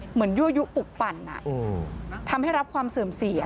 เหมือนยื่อยู้ปุกปั่นทำให้รับความเสื่อมเสีย